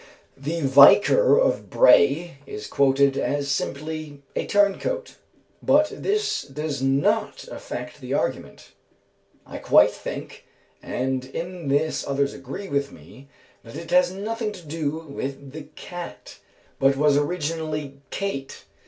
The Vicar of Bray is quoted as simply a "turncoat," but this does not affect the argument. I quite think, and in this others agree with me, that it has nothing to do with the cat, but was originally cate.